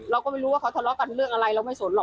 เราก็ไม่รู้ว่าเขาทะเลาะกันเรื่องอะไรเราไม่สนห